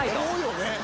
思うよね。